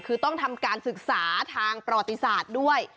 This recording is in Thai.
คือต้องทำการศึกษาทางประวัติศาสตร์ด้วย